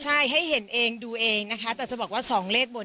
ใช่ให้เห็นเองดูเองนะคะแต่จะบอกว่าสองเลขบน